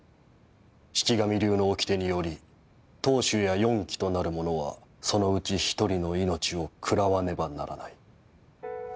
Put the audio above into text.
「四鬼神流のおきてにより当主や四鬼となる者はそのうち一人の命を喰らわねばならない」